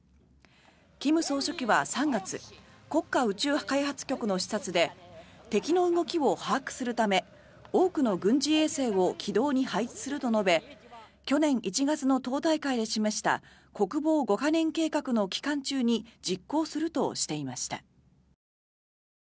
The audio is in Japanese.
金総書記は３月国家宇宙開発局の視察で敵の動きを把握するため多くの軍事衛星を軌道に配置すると述べ去年１月の党大会で示した国防五カ年計画の期間中に実行するとしていました。